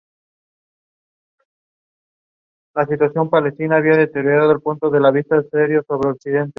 El simbolismo de la Carbonaria Portuguesa era vasto.